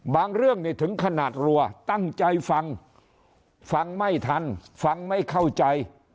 เรื่องถึงขนาดรัวตั้งใจฟังฟังไม่ทันฟังไม่เข้าใจ